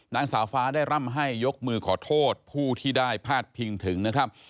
นางสาวฟ้าได้ร่ำให้ยกมือขอโทษผู้ที่ได้พาดพิงถึงนะครับ